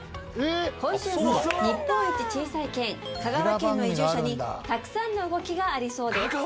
今週も日本一小さい県香川県の移住者にたくさんの動きがありそうです。